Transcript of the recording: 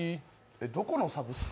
どこのサブスク？